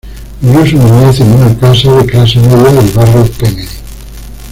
Vivió su niñez en una casa de clase media del barrio Kennedy.